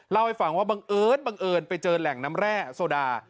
เล่าให้ฟังว่าบังเอิญบังเอิญไปเจอแหล่งน้ำแร่โซดา